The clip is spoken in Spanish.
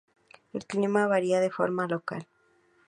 El clima varía de forma local.